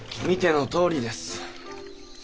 見てのとおりです。